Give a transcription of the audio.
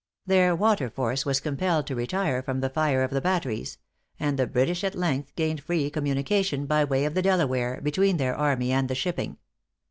Their water force was compelled to retire from the fire of the batteries; and the British at length gained free communication, by way of the Delaware, between their army and the shipping.